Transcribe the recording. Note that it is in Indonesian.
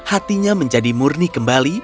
hatinya menjadi murni kembali